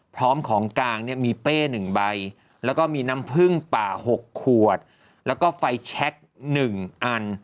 พร้อมของกลางเนี่ยมีเป้๑ใบแล้วก็มีน้ำผึ้งป่า๖ขวดแล้วก็ไฟแชค๑อัน